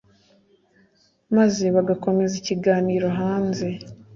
maze bagakomereza ikiganiro hanze